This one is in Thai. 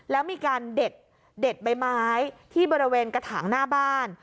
แล้วมีการเด็ดใบไม้ที่บริเวณกระถางหน้าบ้าน